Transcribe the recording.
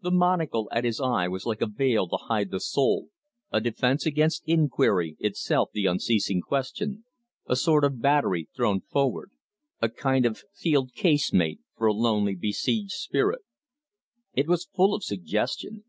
The monocle at his eye was like a veil to hide the soul, a defence against inquiry, itself the unceasing question, a sort of battery thrown forward, a kind of field casemate for a lonely besieged spirit. It was full of suggestion.